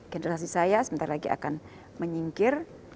generasi saya sebentar lagi akan menyingkir